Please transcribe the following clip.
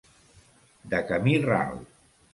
De camí ral.